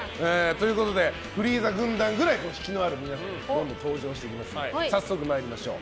フリーザ軍団くらい引きのある皆さんが登場していきますので早速参りましょう。